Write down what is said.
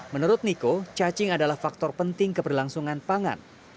menurut niko cacing adalah faktor penting keberlangsungan pangan